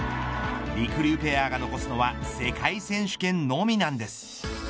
りくりゅうペアが残すのは世界選手権のみなんです。